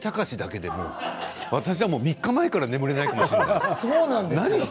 でも生放送で藤井隆だけで私は３日前から眠れないかもしれない。